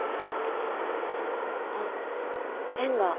あっペンが。